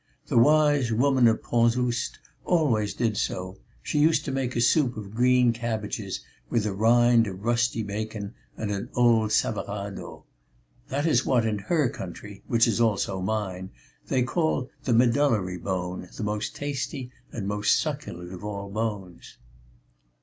The wise woman of Panzoust always did so; she used to make a soup of green cabbages with a rind of rusty bacon and an old savorados. That is what in her country, which is also mine, they call the medullary bone, the most tasty and most succulent of all bones."